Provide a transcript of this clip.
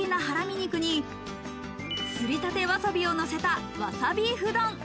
肉に、すりたてわさびをのせた、わさビーフ丼。